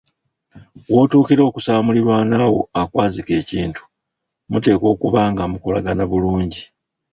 Wotuukira okusaba muliraanwa wo akwazike ekintu, muteekwa okuba nga mukolagana bulungi